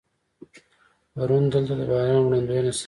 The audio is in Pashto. پرون دلته د باران وړاندوینه شوې وه.